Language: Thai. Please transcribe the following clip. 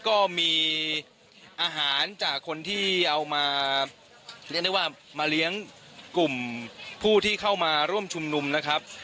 ก็มีอาหารจากคนที่เอามาเรียกได้ว่ามาเลี้ยงกลุ่มผู้ที่เข้ามาร่วมชุมนุมนะครับ